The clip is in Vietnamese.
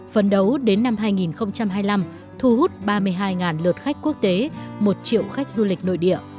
phấn đấu đến năm hai nghìn hai mươi năm thu hút ba mươi hai lượt khách quốc tế một triệu khách du lịch nội địa